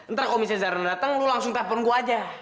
ntar kalau misalnya zarina datang lo langsung telfon gue aja